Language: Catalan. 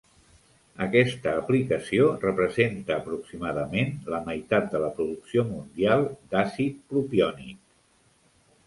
Aquesta aplicació representa aproximadament la meitat de la producció mundial d'àcid propiònic.